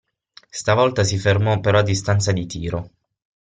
Stavolta si fermò però a distanza di tiro.